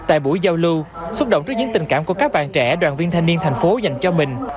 tại buổi giao lưu xúc động trước những tình cảm của các bạn trẻ đoàn viên thanh niên thành phố dành cho mình